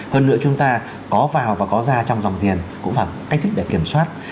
hơn nữa chúng ta có vào và có ra trong dòng tiền cũng là cách thức để kiểm soát